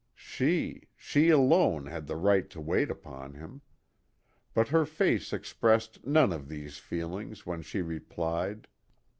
She she alone had the right to wait upon him. But her face expressed none of these feelings when she replied.